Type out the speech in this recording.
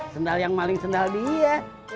sendal yang paling sendal dia